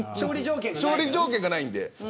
勝利条件がないので。